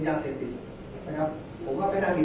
แต่ว่าไม่มีปรากฏว่าถ้าเกิดคนให้ยาที่๓๑